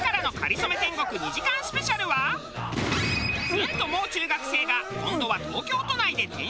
ずんともう中学生が今度は東京都内で天津飯を大調査！